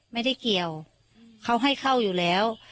ไม่ได้เกี่ยวเขาให้เข้าอยู่แล้ว